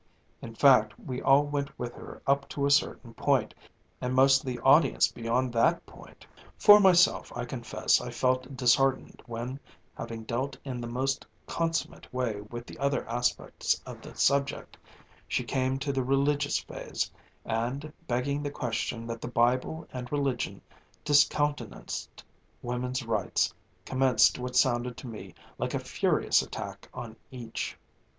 In fact, we all went with her up to a certain point, and most of the audience beyond that point. For myself I confess I felt disheartened when, having dealt in the most consummate way with other aspects of the subject, she came to the religious phase, and begging the question that the Bible and religion discountenanced woman's rights, commenced what sounded to me like a furious attack on each.